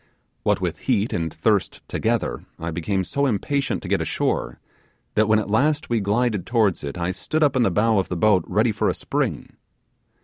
What with heat and thirst together, I became so impatient to get ashore, that when at last we glided towards it, I stood up in the bow of the boat ready for a spring.